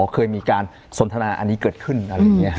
เคยมีการสนทนาอันนี้เกิดขึ้นอะไรอย่างนี้